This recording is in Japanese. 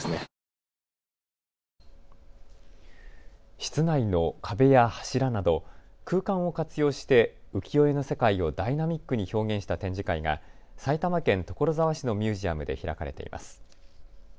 室内の壁や柱など空間を活用して浮世絵の世界をダイナミックに表現した展示会が埼玉県所沢市のミュージアムで開かれています。